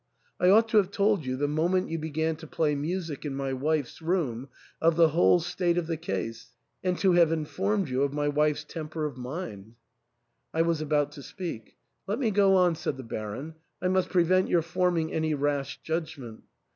I ought to have told you, the moment you began to play music in my wife's room, of the whole state of the case, and to have informed you of my wife's temper of mind." I was about to speak; "Let me go on," said the Baron, "I must prevent your forming any rash judg ment.